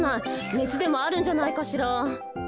ねつでもあるんじゃないかしら。